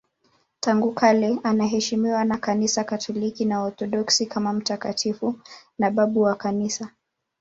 Tangu kale anaheshimiwa na Kanisa Katoliki na Waorthodoksi kama mtakatifu na babu wa Kanisa.